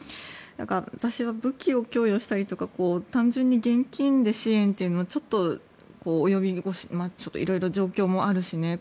私は武器を供与したりとか単純に現金で支援というのはちょっと及び腰色々状況もあるし